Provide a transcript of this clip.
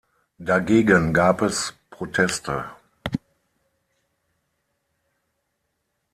Dagegen gab es Proteste.